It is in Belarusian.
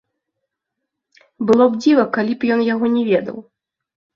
Было б дзіва, калі б ён яго не ведаў.